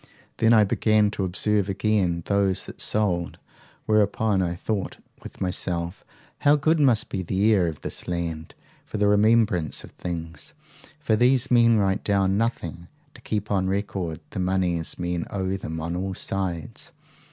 Then I began to observe again those that sold; whereupon I thought with myself, How good must be the air of this land for the remembrance of things! for these men write down nothing to keep on record the moneys men owe them on all sides.